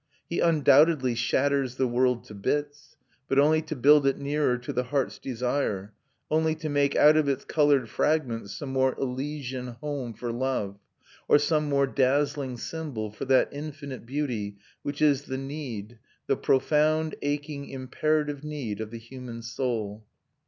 He undoubtedly shatters the world to bits, but only to build it nearer to the heart's desire, only to make out of its coloured fragments some more Elysian home for love, or some more dazzling symbol for that infinite beauty which is the need the profound, aching, imperative need of the human soul.